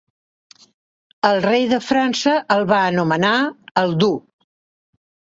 El rei de França el va anomenar "el Dur".